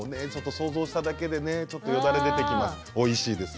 想像しただけでもよだれが出てきますおいしいです。